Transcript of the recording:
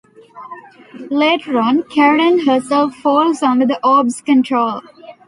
Later on, Karen herself falls under the Orb's control.